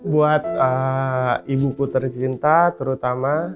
buat ibuku tercinta terutama